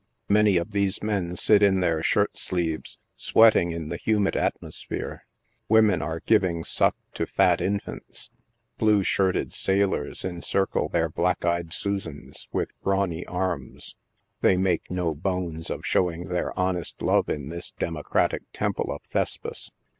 Many of these men sit in their shirt sleeves, sweating in the humid atmosphere. Women are giving suck to fat infants. Blue shirted sailors encircle their black eyed Susans, with brawny arms (they make no " bones'* of showing their honest love in this democratic temple of Thespis).